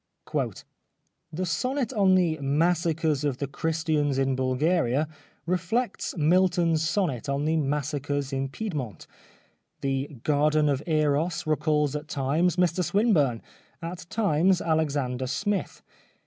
" The sonnet on the * Massacres of the Chris tians in Bulgaria ' reflects Milton's sonnet on the ' Massacres in Piedmont.' The ' Garden of Eros ' recalls at times Mr Swinburne — at times Alexander Smith.